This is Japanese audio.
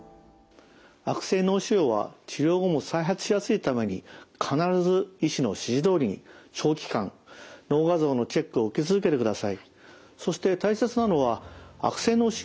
悪性脳腫瘍は治療後も再発しやすいために必ず医師の指示どおりに長期間脳画像のチェックを受け続けてください。